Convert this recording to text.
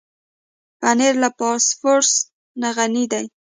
پنېر له فاسفورس نه غني دی.